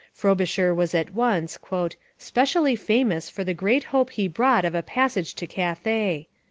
Frobisher was at once 'specially famous for the great hope he brought of a passage to Cathay.'